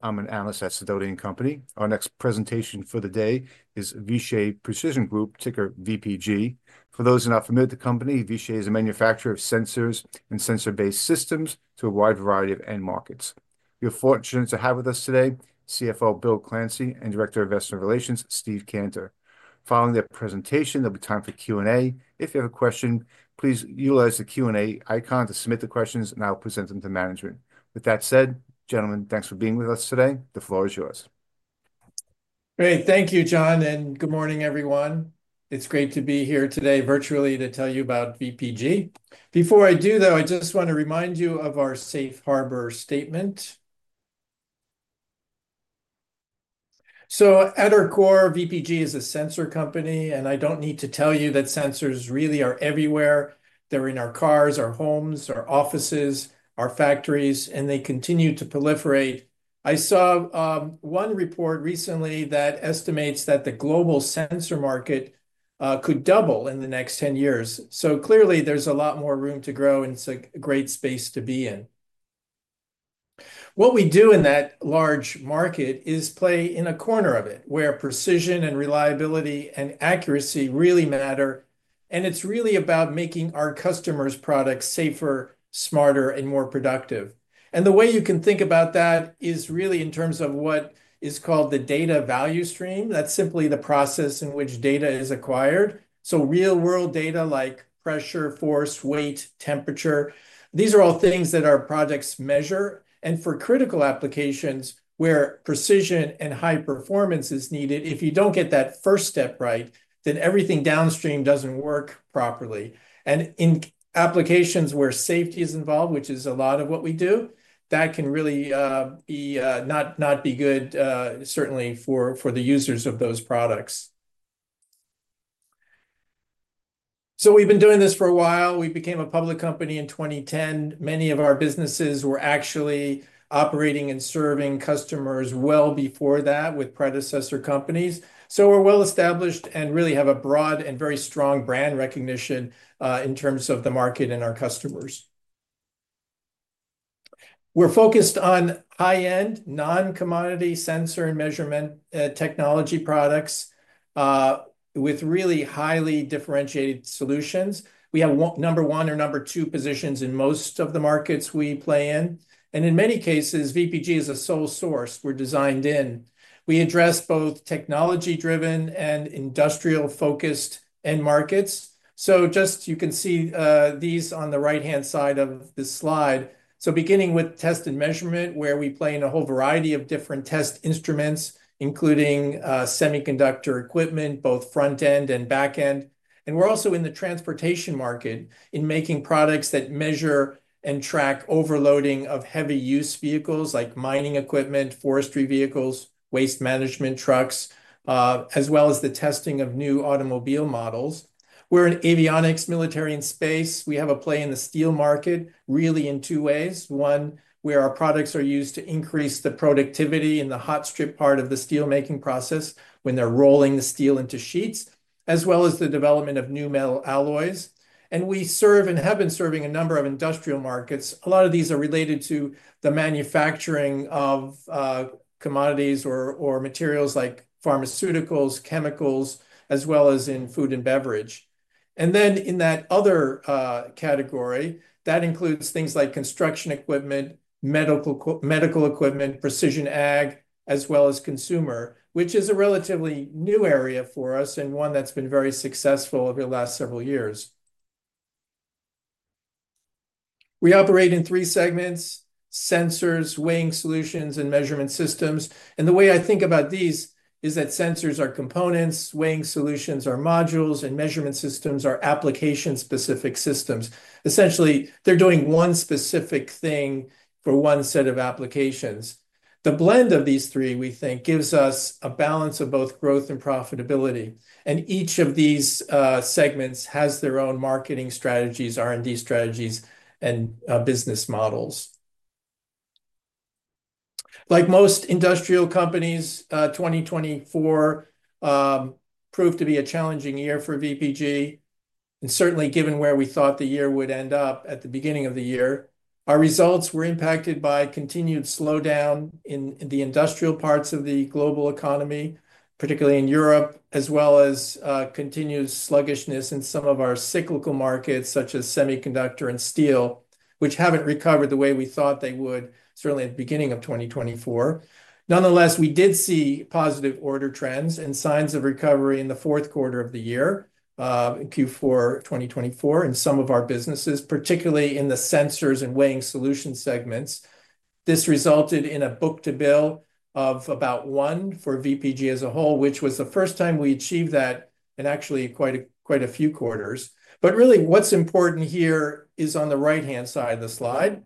I'm an analyst at Sidoti & Company. Our next presentation for the day is Vishay Precision Group, ticker VPG. For those who are not familiar with the company, Vishay is a manufacturer of sensors and sensor-based systems to a wide variety of end markets. We're fortunate to have with us today CFO Bill Clancy and Director of Investor Relations, Steve Cantor. Following the presentation, there'll be time for Q&A. If you have a question, please utilize the Q&A icon to submit the questions, and I'll present them to management. With that said, gentlemen, thanks for being with us today. The floor is yours. Great. Thank you, John, and good morning, everyone. It's great to be here today virtually to tell you about VPG. Before I do, though, I just want to remind you of our safe harbor statement. At our core, VPG is a sensor company, and I don't need to tell you that sensors really are everywhere. They're in our cars, our homes, our offices, our factories, and they continue to proliferate. I saw one report recently that estimates that the global sensor market could double in the next 10 years. Clearly, there's a lot more room to grow, and it's a great space to be in. What we do in that large market is play in a corner of it where precision and reliability and accuracy really matter. It's really about making our customers' products safer, smarter, and more productive. The way you can think about that is really in terms of what is called the data value stream. That's simply the process in which data is acquired. Real-world data like pressure, force, weight, temperature, these are all things that our products measure. For critical applications where precision and high performance is needed, if you don't get that first step right, then everything downstream doesn't work properly. In applications where safety is involved, which is a lot of what we do, that can really not be good, certainly for the users of those products. We've been doing this for a while. We became a public company in 2010. Many of our businesses were actually operating and serving customers well before that with predecessor companies. We're well established and really have a broad and very strong brand recognition in terms of the market and our customers. We're focused on high-end non-commodity sensor and measurement technology products with really highly differentiated solutions. We have number one or number two positions in most of the markets we play in. In many cases, VPG is a sole source. We're designed in. We address both technology-driven and industrial-focused end markets. You can see these on the right-hand side of the slide. Beginning with test and measurement, where we play in a whole variety of different test instruments, including semiconductor equipment, both front-end and back-end. We're also in the transportation market in making products that measure and track overloading of heavy-use vehicles like mining equipment, forestry vehicles, waste management trucks, as well as the testing of new automobile models. We're in avionics, military and space. We have a play in the steel market, really in two ways. One, where our products are used to increase the productivity in the hot strip part of the steel-making process when they're rolling the steel into sheets, as well as the development of new metal alloys. We serve and have been serving a number of industrial markets. A lot of these are related to the manufacturing of commodities or materials like pharmaceuticals, chemicals, as well as in food and beverage. In that other category, that includes things like construction equipment, medical equipment, precision ag, as well as consumer, which is a relatively new area for us and one that's been very successful over the last several years. We operate in three segments: sensors, weighing solutions, and measurement systems. The way I think about these is that sensors are components, weighing solutions are modules, and measurement systems are application-specific systems. Essentially, they're doing one specific thing for one set of applications. The blend of these three, we think, gives us a balance of both growth and profitability. Each of these segments has their own marketing strategies, R&D strategies, and business models. Like most industrial companies, 2024 proved to be a challenging year for VPG. Certainly, given where we thought the year would end up at the beginning of the year, our results were impacted by continued slowdown in the industrial parts of the global economy, particularly in Europe, as well as continued sluggishness in some of our cyclical markets, such as semiconductor and steel, which haven't recovered the way we thought they would, certainly at the beginning of 2024. Nonetheless, we did see positive order trends and signs of recovery in the fourth quarter of the year, Q4 2024, in some of our businesses, particularly in the sensors and weighing solution segments. This resulted in a book-to-bill of about one for VPG as a whole, which was the first time we achieved that in actually quite a few quarters. What is important here is on the right-hand side of the slide.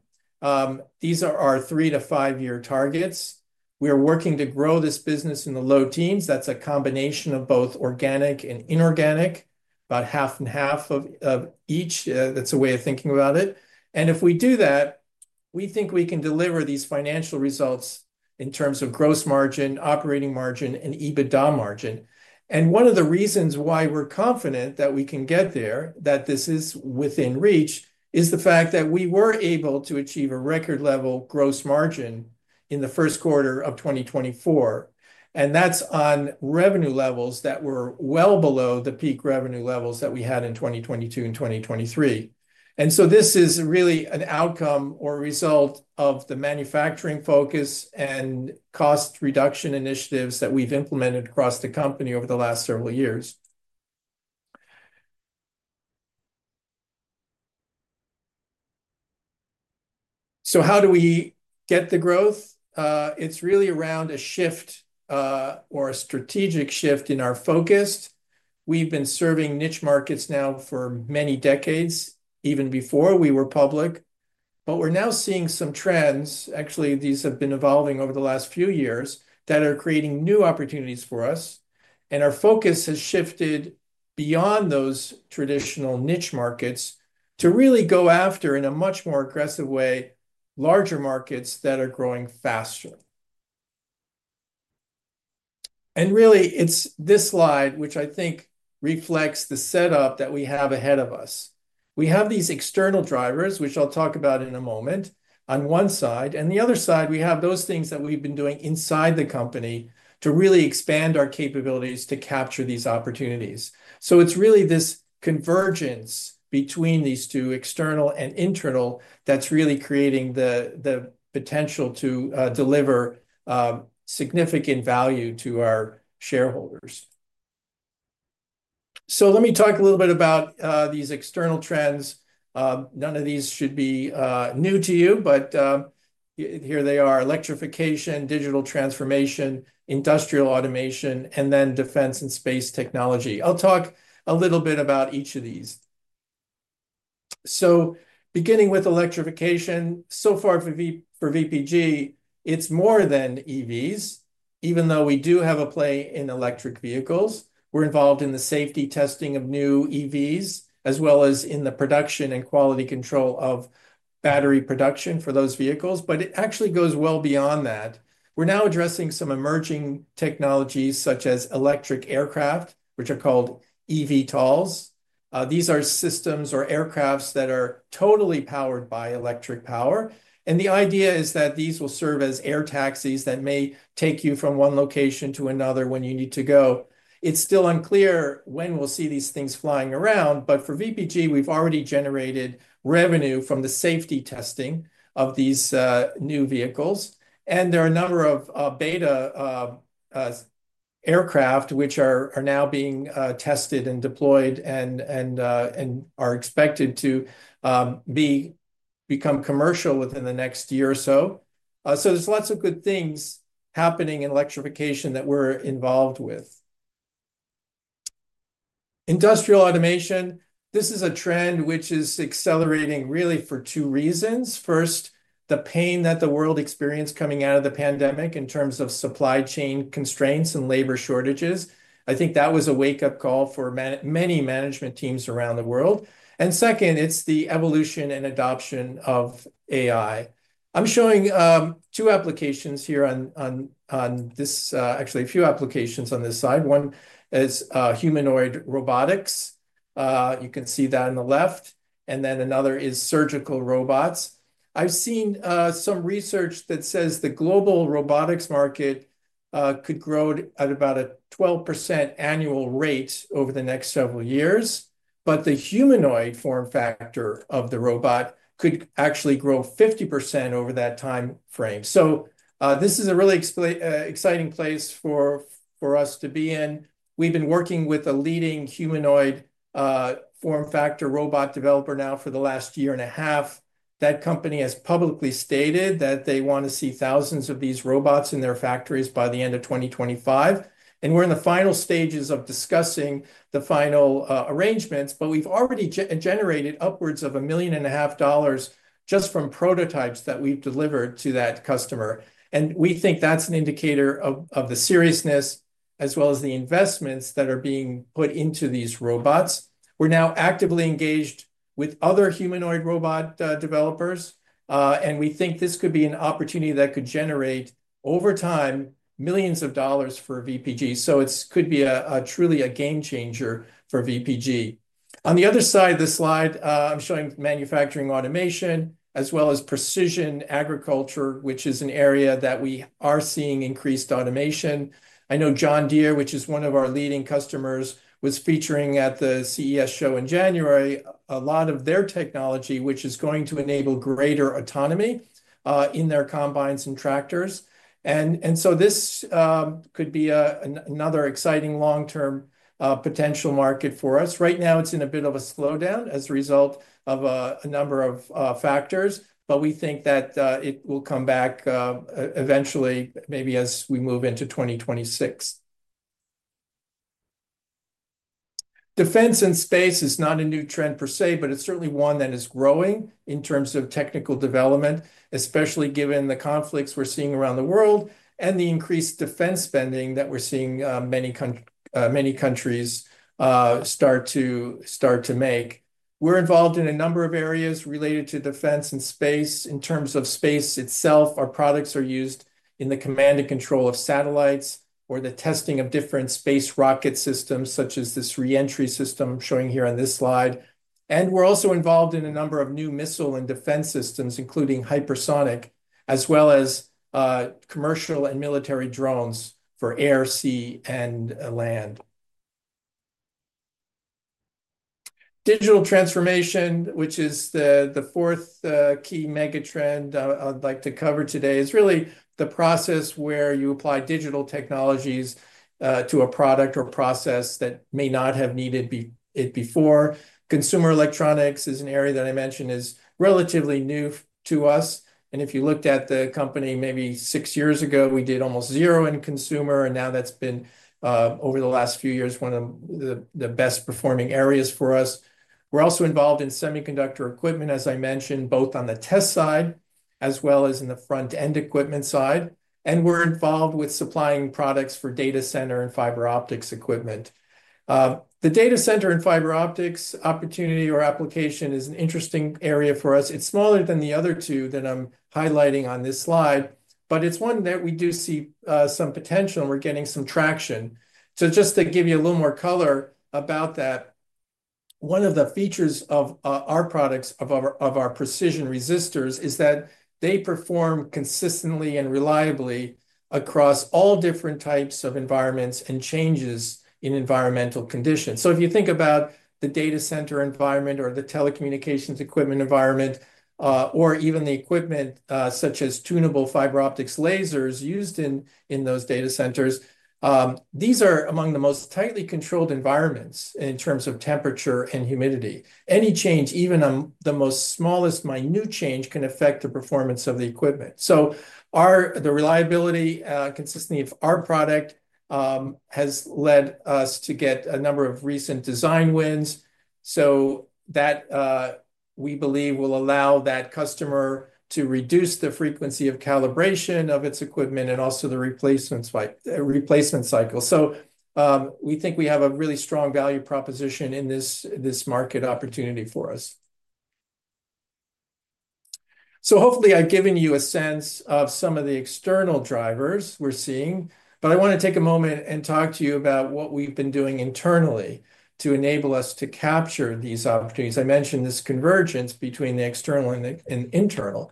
These are our three to five-year targets. We are working to grow this business in the low teens. That is a combination of both organic and inorganic, about half and half of each. That is a way of thinking about it. If we do that, we think we can deliver these financial results in terms of gross margin, operating margin, and EBITDA margin. One of the reasons why we're confident that we can get there, that this is within reach, is the fact that we were able to achieve a record-level gross margin in the first quarter of 2024. That's on revenue levels that were well below the peak revenue levels that we had in 2022 and 2023. This is really an outcome or result of the manufacturing focus and cost reduction initiatives that we've implemented across the company over the last several years. How do we get the growth? It's really around a shift or a strategic shift in our focus. We've been serving niche markets now for many decades, even before we were public. We're now seeing some trends. Actually, these have been evolving over the last few years that are creating new opportunities for us. Our focus has shifted beyond those traditional niche markets to really go after, in a much more aggressive way, larger markets that are growing faster. It is this slide, which I think reflects the setup that we have ahead of us. We have these external drivers, which I'll talk about in a moment, on one side. On the other side, we have those things that we've been doing inside the company to really expand our capabilities to capture these opportunities. It is really this convergence between these two, external and internal, that is really creating the potential to deliver significant value to our shareholders. Let me talk a little bit about these external trends. None of these should be new to you, but here they are: electrification, digital transformation, industrial automation, and then defense and space technology. I'll talk a little bit about each of these. Beginning with electrification, so far for VPG, it's more than EVs, even though we do have a play in electric vehicles. We're involved in the safety testing of new EVs, as well as in the production and quality control of battery production for those vehicles. It actually goes well beyond that. We're now addressing some emerging technologies such as electric aircraft, which are called eVTOLs. These are systems or aircraft that are totally powered by electric power. The idea is that these will serve as air taxis that may take you from one location to another when you need to go. It's still unclear when we'll see these things flying around. For VPG, we've already generated revenue from the safety testing of these new vehicles. There are a number of beta aircraft, which are now being tested and deployed and are expected to become commercial within the next year or so. There are lots of good things happening in electrification that we're involved with. Industrial automation, this is a trend which is accelerating really for two reasons. First, the pain that the world experienced coming out of the pandemic in terms of supply chain constraints and labor shortages. I think that was a wake-up call for many management teams around the world. Second, it's the evolution and adoption of AI. I'm showing two applications here on this, actually a few applications on this side. One is humanoid robotics. You can see that on the left. Another is surgical robots. I've seen some research that says the global robotics market could grow at about a 12% annual rate over the next several years. The humanoid form factor of the robot could actually grow 50% over that time frame. This is a really exciting place for us to be in. We've been working with a leading humanoid form factor robot developer now for the last year and a half. That company has publicly stated that they want to see thousands of these robots in their factories by the end of 2025. We're in the final stages of discussing the final arrangements, but we've already generated upwards of $1,500,000 just from prototypes that we've delivered to that customer. We think that's an indicator of the seriousness as well as the investments that are being put into these robots. We're now actively engaged with other humanoid robot developers. We think this could be an opportunity that could generate over time millions of dollars for VPG. It could be truly a game changer for VPG. On the other side of the slide, I'm showing manufacturing automation as well as precision agriculture, which is an area that we are seeing increased automation. I know John Deere, which is one of our leading customers, was featuring at the CES show in January, a lot of their technology, which is going to enable greater autonomy in their combines and tractors. This could be another exciting long-term potential market for us. Right now, it's in a bit of a slowdown as a result of a number of factors, but we think that it will come back eventually, maybe as we move into 2026. Defense and space is not a new trend per se, but it's certainly one that is growing in terms of technical development, especially given the conflicts we're seeing around the world and the increased defense spending that we're seeing many countries start to make. We're involved in a number of areas related to defense and space. In terms of space itself, our products are used in the command and control of satellites or the testing of different space rocket systems, such as this re-entry system showing here on this slide. We're also involved in a number of new missile and defense systems, including hypersonic, as well as commercial and military drones for air, sea, and land. Digital transformation, which is the fourth key mega trend I'd like to cover today, is really the process where you apply digital technologies to a product or process that may not have needed it before. Consumer electronics is an area that I mentioned is relatively new to us. If you looked at the company maybe six years ago, we did almost zero in consumer. Now that's been, over the last few years, one of the best performing areas for us. We're also involved in semiconductor equipment, as I mentioned, both on the test side as well as in the front-end equipment side. We're involved with supplying products for data center and fiber optics equipment. The data center and fiber optics opportunity or application is an interesting area for us. It's smaller than the other two that I'm highlighting on this slide, but it's one that we do see some potential. We're getting some traction. Just to give you a little more color about that, one of the features of our products, of our precision resistors, is that they perform consistently and reliably across all different types of environments and changes in environmental conditions. If you think about the data center environment or the telecommunications equipment environment, or even the equipment such as tunable fiber optics lasers used in those data centers, these are among the most tightly controlled environments in terms of temperature and humidity. Any change, even the most smallest, minute change, can affect the performance of the equipment. The reliability, consistency of our product has led us to get a number of recent design wins. That we believe will allow that customer to reduce the frequency of calibration of its equipment and also the replacement cycle. We think we have a really strong value proposition in this market opportunity for us. Hopefully, I've given you a sense of some of the external drivers we're seeing. I want to take a moment and talk to you about what we've been doing internally to enable us to capture these opportunities. I mentioned this convergence between the external and internal.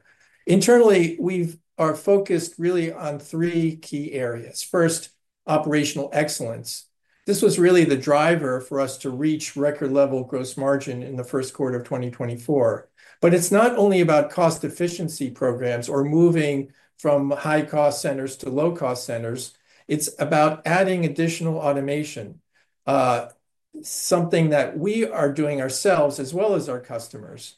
Internally, we are focused really on three key areas. First, operational excellence. This was really the driver for us to reach record-level gross margin in the first quarter of 2024. It's not only about cost efficiency programs or moving from high-cost centers to low-cost centers. It's about adding additional automation, something that we are doing ourselves as well as our customers.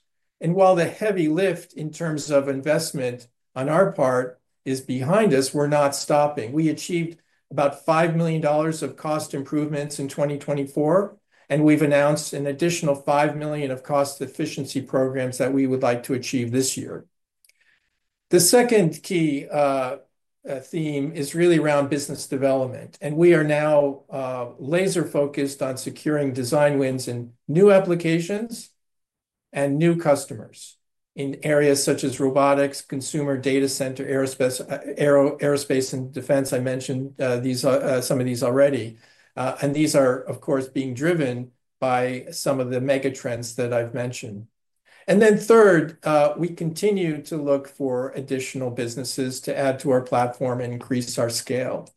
While the heavy lift in terms of investment on our part is behind us, we're not stopping. We achieved about $5 million of cost improvements in 2024. We've announced an additional $5 million of cost efficiency programs that we would like to achieve this year. The second key theme is really around business development. We are now laser-focused on securing design wins in new applications and new customers in areas such as robotics, consumer data center, aerospace, and defense. I mentioned some of these already. These are, of course, being driven by some of the mega trends that I've mentioned. Third, we continue to look for additional businesses to add to our platform and increase our scale.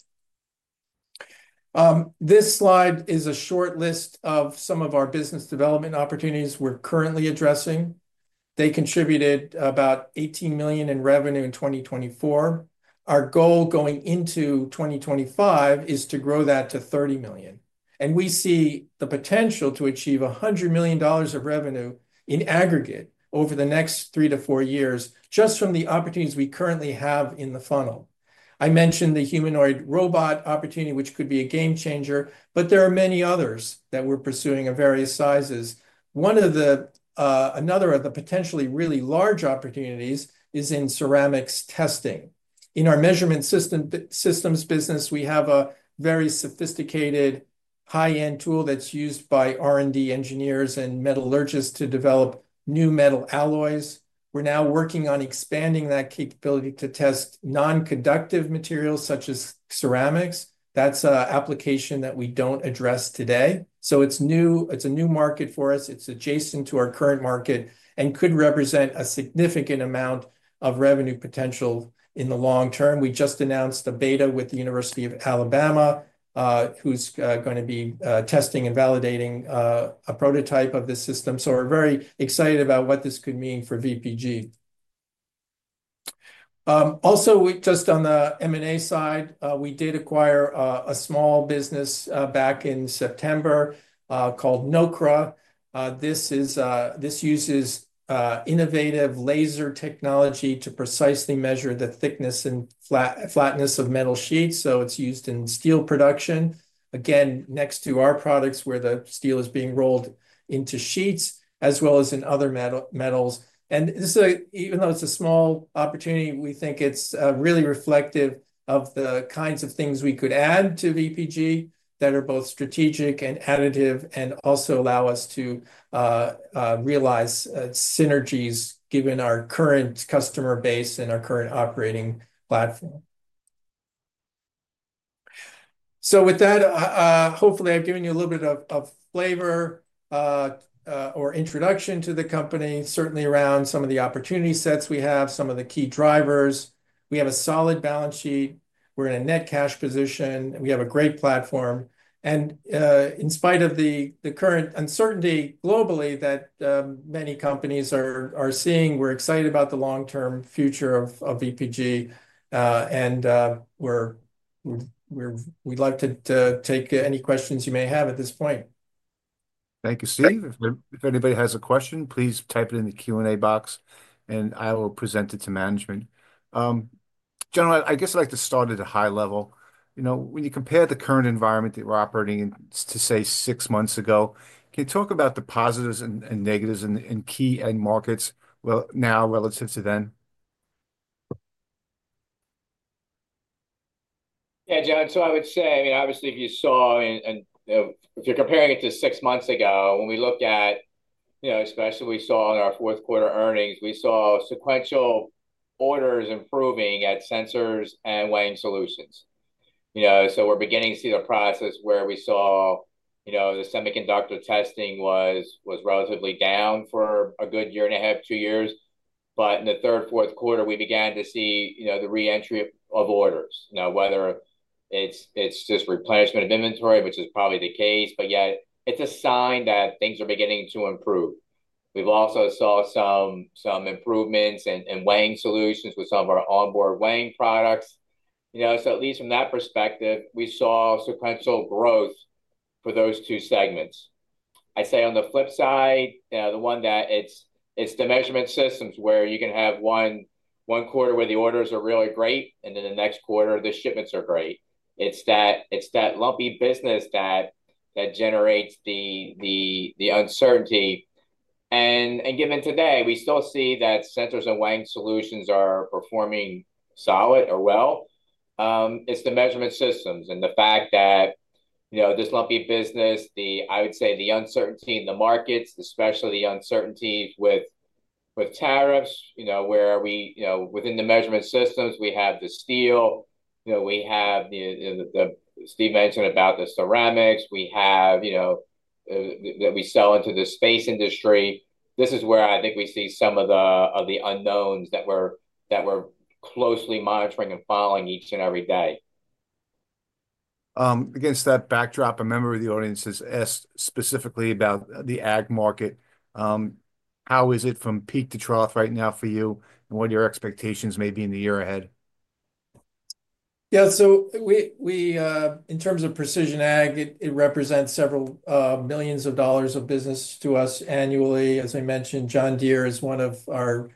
This slide is a short list of some of our business development opportunities we're currently addressing. They contributed about $18 million in revenue in 2024. Our goal going into 2025 is to grow that to $30 million. We see the potential to achieve $100 million of revenue in aggregate over the next three to four years just from the opportunities we currently have in the funnel. I mentioned the humanoid robot opportunity, which could be a game changer, but there are many others that we're pursuing of various sizes. Another of the potentially really large opportunities is in ceramics testing. In our measurement systems business, we have a very sophisticated high-end tool that's used by R&D engineers and metallurgists to develop new metal alloys. We're now working on expanding that capability to test non-conductive materials such as ceramics. That's an application that we don't address today. It is a new market for us. It's adjacent to our current market and could represent a significant amount of revenue potential in the long term. We just announced a beta with the University of Alabama, who's going to be testing and validating a prototype of this system. We are very excited about what this could mean for VPG. Also, just on the M&A side, we did acquire a small business back in September called Nokra. This uses innovative laser technology to precisely measure the thickness and flatness of metal sheets. It is used in steel production, next to our products where the steel is being rolled into sheets, as well as in other metals. Even though it is a small opportunity, we think it is really reflective of the kinds of things we could add to VPG that are both strategic and additive and also allow us to realize synergies given our current customer base and our current operating platform. With that, hopefully, I've given you a little bit of flavor or introduction to the company, certainly around some of the opportunity sets we have, some of the key drivers. We have a solid balance sheet. We're in a net cash position. We have a great platform. In spite of the current uncertainty globally that many companies are seeing, we're excited about the long-term future of VPG. We'd like to take any questions you may have at this point. Thank you, Steve. If anybody has a question, please type it in the Q&A box, and I will present it to management. Generally, I guess I'd like to start at a high level. When you compare the current environment that we're operating in to, say, six months ago, can you talk about the positives and negatives in key end markets now relative to then? Yeah, John, so I would say, I mean, obviously, if you saw, if you're comparing it to six months ago, when we looked at, especially we saw in our fourth quarter earnings, we saw sequential orders improving at sensors and weighing solutions. We're beginning to see the process where we saw the semiconductor testing was relatively down for a good year and a half, two years. In the third, fourth quarter, we began to see the re-entry of orders, whether it's just replenishment of inventory, which is probably the case, but yet it's a sign that things are beginning to improve. We've also saw some improvements in weighing solutions with some of our onboard weighing products. At least from that perspective, we saw sequential growth for those two segments. I'd say on the flip side, the one that it's the measurement systems where you can have one quarter where the orders are really great, and then the next quarter, the shipments are great. It's that lumpy business that generates the uncertainty. Given today, we still see that sensors and weighing solutions are performing solid or well. It's the measurement systems and the fact that this lumpy business, I would say the uncertainty in the markets, especially the uncertainty with tariffs, where within the measurement systems, we have the steel. We have the Steve mentioned about the ceramics. We sell into the space industry. This is where I think we see some of the unknowns that we're closely monitoring and following each and every day. Against that backdrop, a member of the audience has asked specifically about the ag market. How is it from peak to trough right now for you, and what are your expectations maybe in the year ahead? Yeah, so in terms of precision ag, it represents several millions of dollars of business to us annually. As I mentioned, John Deere is one of our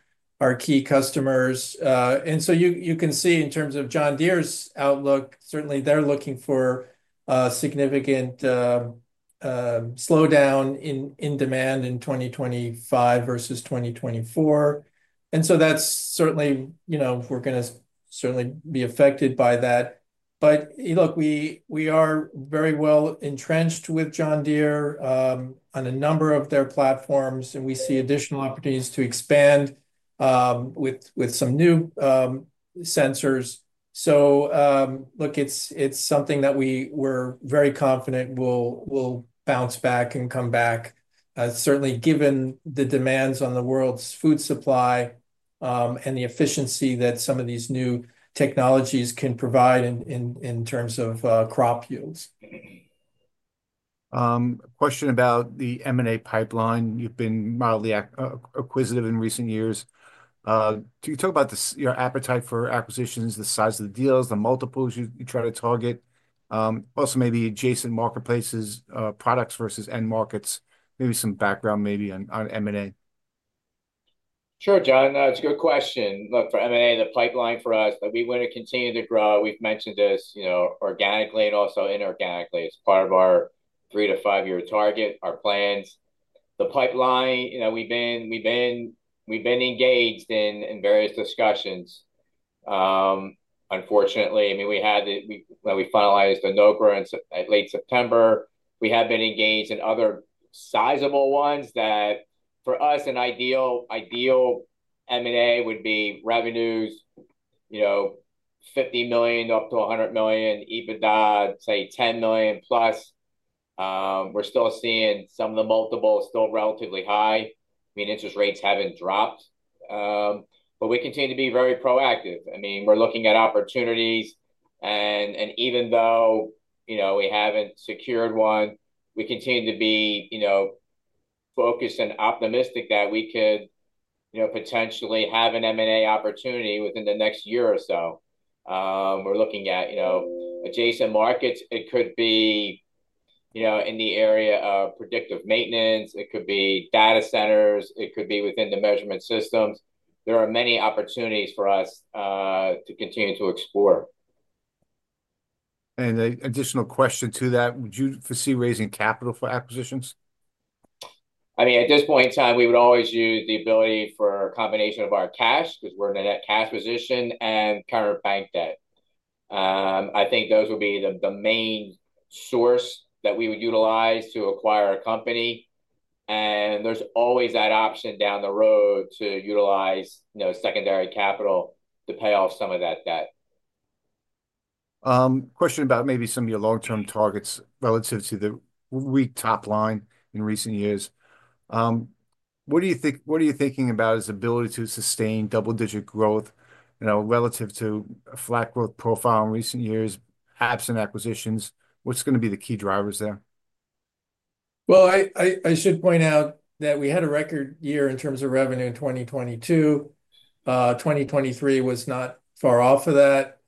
key customers. You can see in terms of John Deere's outlook, certainly they're looking for significant slowdown in demand in 2025 versus 2024. That is certainly going to affect us. Look, we are very well entrenched with John Deere on a number of their platforms, and we see additional opportunities to expand with some new sensors. Look, it's something that we're very confident will bounce back and come back, certainly given the demands on the world's food supply and the efficiency that some of these new technologies can provide in terms of crop yields. Question about the M&A pipeline. You've been mildly acquisitive in recent years. Can you talk about your appetite for acquisitions, the size of the deals, the multiples you try to target, also maybe adjacent marketplaces, products versus end markets, maybe some background maybe on M&A? Sure, John. That's a good question. Look, for M&A, the pipeline for us, we want to continue to grow. We've mentioned this organically and also inorganically. It's part of our three to five-year target, our plans. The pipeline, we've been engaged in various discussions. Unfortunately, I mean, we had it when we finalized the Nokra in late September. We have been engaged in other sizable ones that for us, an ideal M&A would be revenues $50 million up to $100 million, EBITDA, say, $10 million plus. We're still seeing some of the multiples still relatively high. I mean, interest rates haven't dropped. We continue to be very proactive. I mean, we're looking at opportunities. Even though we haven't secured one, we continue to be focused and optimistic that we could potentially have an M&A opportunity within the next year or so. We're looking at adjacent markets. It could be in the area of predictive maintenance. It could be data centers. It could be within the measurement systems. There are many opportunities for us to continue to explore. An additional question to that, would you foresee raising capital for acquisitions? I mean, at this point in time, we would always use the ability for a combination of our cash because we're in a net cash position and current bank debt. I think those would be the main source that we would utilize to acquire a company. There's always that option down the road to utilize secondary capital to pay off some of that debt. Question about maybe some of your long-term targets relative to the weak top line in recent years. What are you thinking about his ability to sustain double-digit growth relative to a flat growth profile in recent years, absent acquisitions? What's going to be the key drivers there? I should point out that we had a record year in terms of revenue in 2022. 2023 was not far off of that.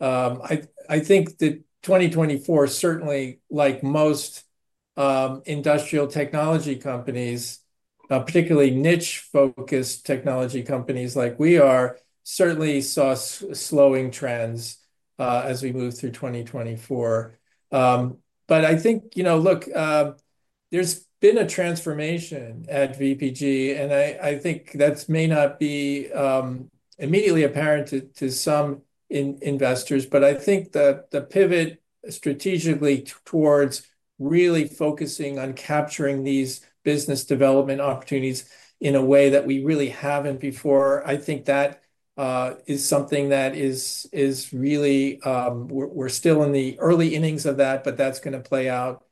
I think that 2024, certainly like most industrial technology companies, particularly niche-focused technology companies like we are, certainly saw slowing trends as we move through 2024. I think, look, there's been a transformation at VPG, and I think that may not be immediately apparent to some investors. I think the pivot strategically towards really focusing on capturing these business development opportunities in a way that we really haven't before, I think that is something that is really we're still in the early innings of that, but that's going to play out.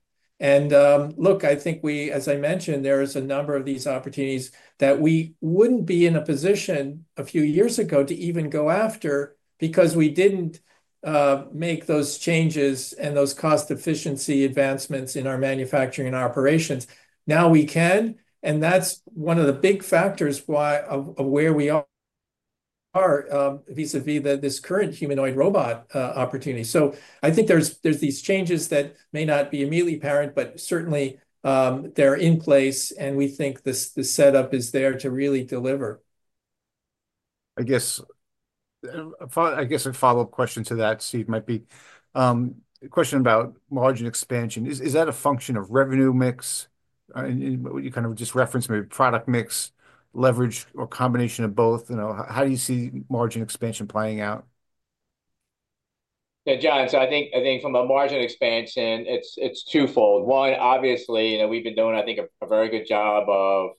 I think we, as I mentioned, there is a number of these opportunities that we wouldn't be in a position a few years ago to even go after because we didn't make those changes and those cost efficiency advancements in our manufacturing and operations. Now we can. That's one of the big factors of where we are vis-à-vis this current humanoid robot opportunity. I think there's these changes that may not be immediately apparent, but certainly they're in place, and we think the setup is there to really deliver. I guess a follow-up question to that, Steve, might be a question about margin expansion. Is that a function of revenue mix? You kind of just referenced maybe product mix, leverage, or combination of both. How do you see margin expansion playing out? Yeah, John, I think from a margin expansion, it's twofold. One, obviously, we've been doing, I think, a very good job of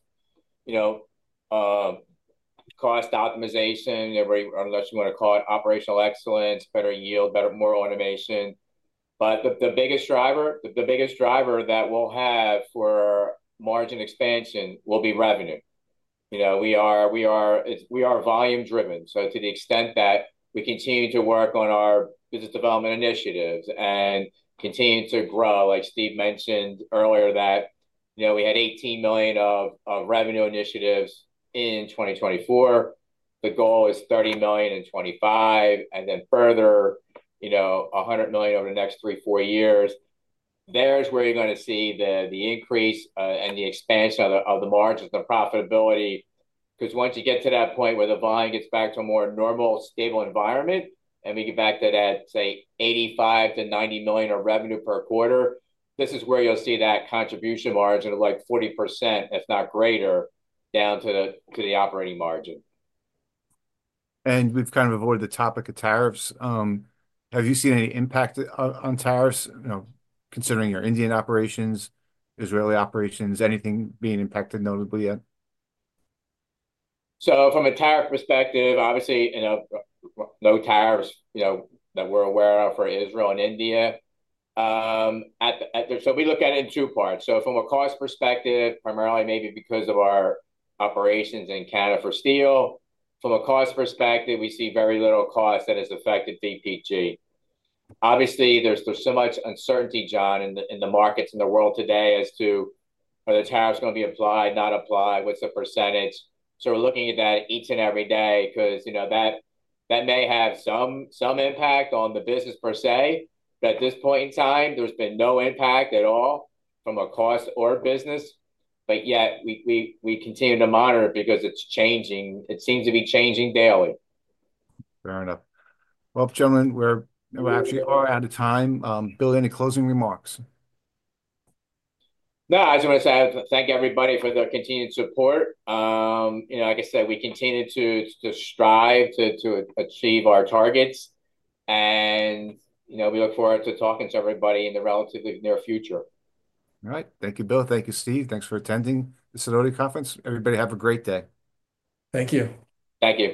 cost optimization, unless you want to call it operational excellence, better yield, better, more automation. The biggest driver that we'll have for margin expansion will be revenue. We are volume-driven. To the extent that we continue to work on our business development initiatives and continue to grow, like Steve mentioned earlier, that we had $18 million of revenue initiatives in 2024. The goal is $30 million in 2025, and then further $100 million over the next three, four years. There's where you're going to see the increase and the expansion of the margins and the profitability. Because once you get to that point where the volume gets back to a more normal, stable environment, and we get back to that, say, $85 million-$90 million of revenue per quarter, this is where you'll see that contribution margin of like 40%, if not greater, down to the operating margin. We've kind of avoided the topic of tariffs. Have you seen any impact on tariffs considering your Indian operations, Israeli operations? Anything being impacted notably yet? From a tariff perspective, obviously, no tariffs that we're aware of for Israel and India. We look at it in two parts. From a cost perspective, primarily maybe because of our operations in Canada for steel, from a cost perspective, we see very little cost that has affected VPG. Obviously, there's so much uncertainty, John, in the markets in the world today as to whether tariffs are going to be applied, not applied, what's the percentage. We are looking at that each and every day because that may have some impact on the business per se. At this point in time, there's been no impact at all from a cost or business. Yet, we continue to monitor it because it's changing. It seems to be changing daily. Fair enough. Gentlemen, we're actually all out of time. Bill, any closing remarks? No, I just want to say thank everybody for the continued support. Like I said, we continue to strive to achieve our targets. We look forward to talking to everybody in the relatively near future. All right. Thank you, Bill. Thank you, Steve. Thanks for attending the Sidoti & Company Conference. Everybody, have a great day. Thank you. Thank you.